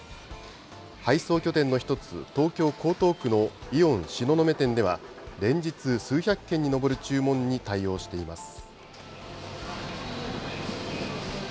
配送拠点の一つ、東京・江東区のイオン東雲店では、連日、数百件に上る注文に対応しています。